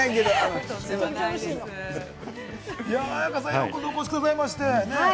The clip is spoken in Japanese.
ようこそお越しくださいました。